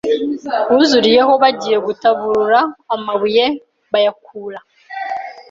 buzurizeho Bagiye gutaburura amabuye bayakura